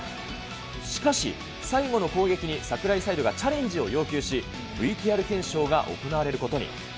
しかし、最後の攻撃に櫻井サイドがチャレンジを要求し、ＶＴＲ検証が行われることに。